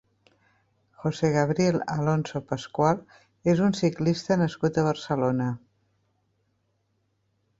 José Gabriel Alonso Pascual és un ciclista nascut a Barcelona.